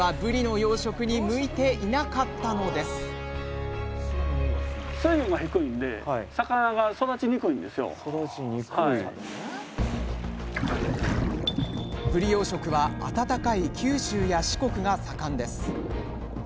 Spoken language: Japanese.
養殖は暖かい九州や四国が盛んです。